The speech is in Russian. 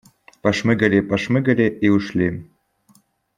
Пошмыгали, пошмыгали и ушли.